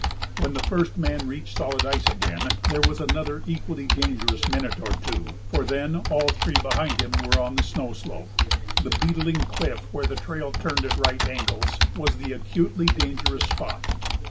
When the first man reached solid ice again there was another equally dangerous minute or two, for then all three behind him were on the snow slope. The beetling cliff, where the trail turned at right angles, was the acutely dangerous spot.